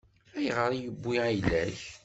Ayɣer i yewwi ayla-k?